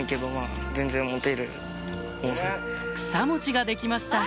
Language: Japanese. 草餅が出来ました